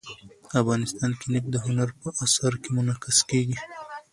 افغانستان کې نفت د هنر په اثار کې منعکس کېږي.